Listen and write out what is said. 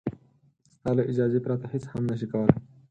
ستا له اجازې پرته هېڅ هم نه شي کولای.